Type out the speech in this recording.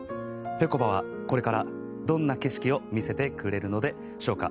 ぺこぱはこれからどんな景色を見せてくれるのでしょうか。